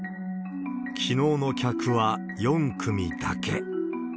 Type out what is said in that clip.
きのうの客は４組だけ。